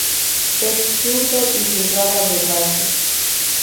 Es zurdo y jugaba de base.